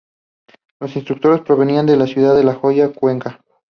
Los instructores provenían de la ciudad de Loja y Cuenca.